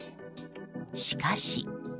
しかし。